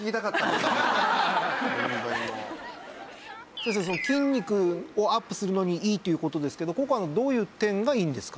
先生筋肉をアップするのにいいっていう事ですけどココアのどういう点がいいんですか？